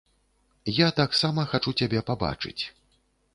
Я таксама хачу цябе пабачыць.